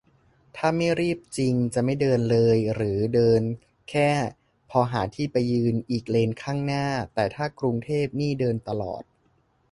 ถ้าไม่รีบจริงจะไม่เดินเลย หรือเดินแค่พอหาที่ไปยืนอีกเลนข้างหน้า แต่ถ้ากรุงเทพนี่เดินตลอด